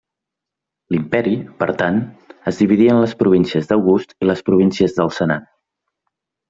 L'imperi, per tant, es dividí entre les províncies d'August i les províncies del Senat.